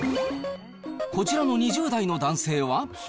こちらの２０代の男性は。